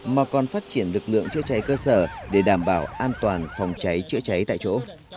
mà còn phát triển lực lượng chữa cháy cơ sở để đảm bảo an toàn phòng cháy chữa cháy tại chỗ